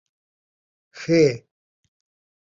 خ